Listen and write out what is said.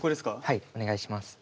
はいお願いします。